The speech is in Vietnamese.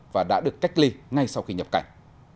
và đã được cách ly ngay sau khi nhập cảnh